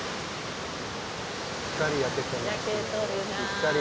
しっかり焼けてますよ。